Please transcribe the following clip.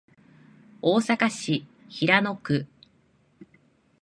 大阪市平野区